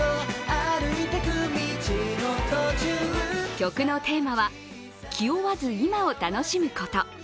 曲のテーマは気負わず、今を楽しむこと。